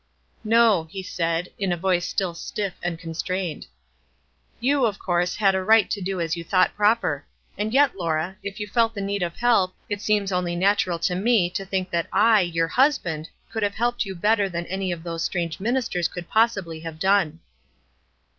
"No," he said, in a voice still stiff and con strained. "You, of course, had a right to do as you thought proper ; and yet, Laura, if you felt the need of help, it seems only natural to me to think that I, your husband, could have helped you better than any of those strange min isters could possibly have done."